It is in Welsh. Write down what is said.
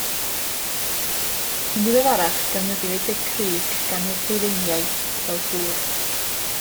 Yn ddiweddarach, defnyddiwyd y crug gan y Rhufeiniaid, fel tŵr.